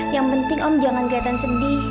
yang penting om jangan kelihatan sedih